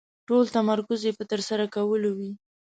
ټول تمرکز يې په ترسره کولو وي.